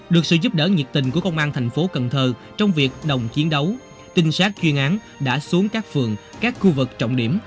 được sự giúp đỡ nhiệt tình của công an thành phố cần thơ trong việc đồng chiến đấu tinh sát chuyên án đã xuống các phường các khu vực trọng điểm